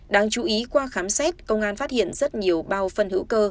đáng chú ý qua khám xét công an phát hiện rất nhiều bao phân hữu cơ